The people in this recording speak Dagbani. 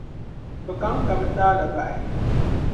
Bɛ ka n-ka bɛ taali bahi.